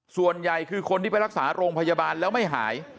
ส่วนใหญ่คือคนที่ไปรักษาโรงพยาบาลแล้วไม่หาย